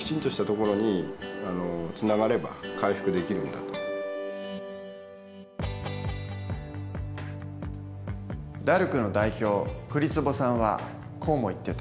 だからＤＡＲＣの代表栗坪さんはこうも言ってた。